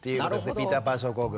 ピーターパン症候群。